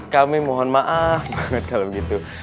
kami mohon maaf banget kalau begitu